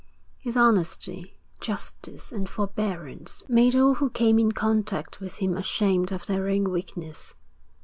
His honesty, justice, and forbearance made all who came in contact with him ashamed of their own weakness.